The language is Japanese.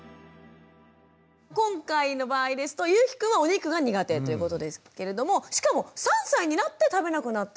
今回の場合ですとゆうきくんはお肉が苦手ということですけれどもしかも３歳になって食べなくなったというケースでしたが。